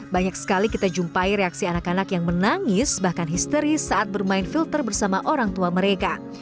banyak sekali kita jumpai reaksi anak anak yang menangis bahkan histeris saat bermain filter bersama orang tua mereka